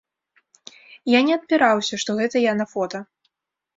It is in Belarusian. Я не адпіраўся, што гэта я на фота.